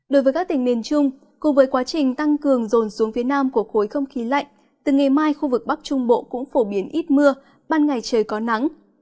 đối với các tỉnh miền trung cùng với quá trình tăng cường rồn xuống phía nam của khối không khí lạnh từ ngày mai khu vực bắc trung bộ cũng phổ biến ít mưa ban ngày trời có nắng